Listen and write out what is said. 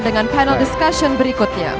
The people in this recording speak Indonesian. dengan panel discussion berikutnya